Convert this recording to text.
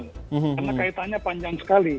karena kaitannya panjang sekali